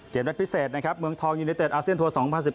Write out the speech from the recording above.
เกมแรกพิเศษเมืองทองยูเนตเต็ดอาเซียนทัวร์๒๐๑๙